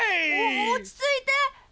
お落ち着いて！